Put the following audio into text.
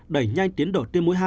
đẩy nhanh tiến đổi tiêm mũi hai